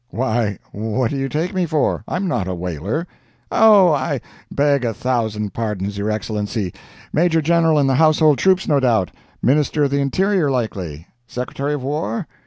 Why, what do you take me for? I'm not a whaler." "Oh, I beg a thousand pardons, your Excellency. Major General in the household troops no doubt? Minister of the Interior, likely? Secretary of War?